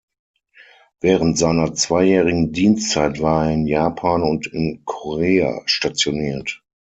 Während seiner zweijährigen Dienstzeit war er in Japan und in Korea stationiert.